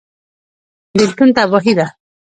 بیلتون تباهي ده